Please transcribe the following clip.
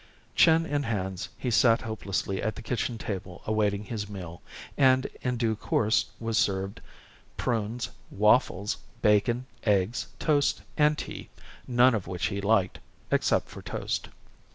Chin in hands, he sat hopelessly at the kitchen table awaiting his meal, and in due course was served prunes, waffles, bacon, eggs, toast, and tea none of which he liked, except for toast.